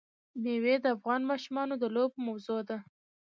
مېوې د افغان ماشومانو د لوبو موضوع ده.